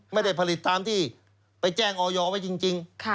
ไม่ได้ผลิตตามที่ไปแจ้งออยไว้จริง